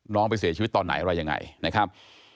น้องไปเสียชีวิตตอนไหนอะไรยังไงนะครับ